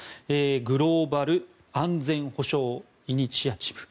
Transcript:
グローバル安全保障イニシアチブ。